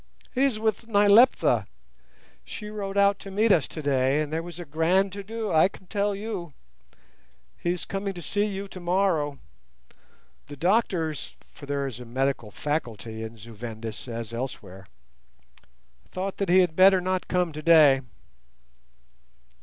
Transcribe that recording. "He is with Nyleptha. She rode out to meet us today, and there was a grand to do, I can tell you. He is coming to see you tomorrow; the doctors (for there is a medical 'faculty' in Zu Vendis as elsewhere) thought that he had better not come today."